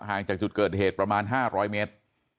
จากจุดเกิดเหตุประมาณ๕๐๐เมตร